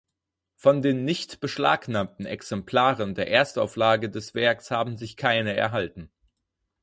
Von den nicht beschlagnahmten Exemplaren der Erstauflage des Werks haben sich keine erhalten.